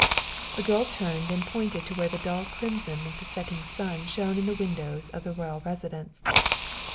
The girl turned and pointed to where the dull crimson of the setting sun shone in the windows of the royal residence.